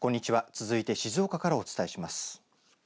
続いて静岡からお伝えします。